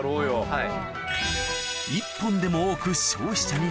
はい。